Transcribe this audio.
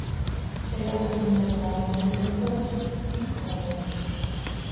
Era sobrino de Manuel de Semprún y Pombo.